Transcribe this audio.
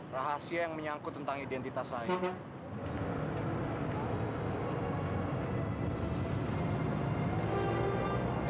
rahasia yang menyangkut tentang identitas saya